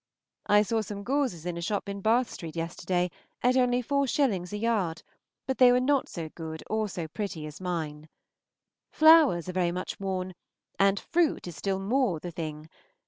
I saw some gauzes in a shop in Bath Street yesterday at only 4_d._ a yard, but they were not so good or so pretty as mine. Flowers are very much worn, and fruit is still more the thing.